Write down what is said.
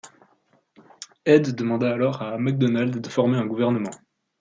Head demanda alors à Macdonald de former un gouvernement.